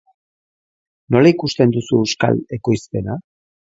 Nola ikusten duzu euskal ekoizpena?